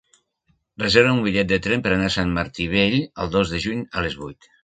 Reserva'm un bitllet de tren per anar a Sant Martí Vell el dos de juny a les vuit.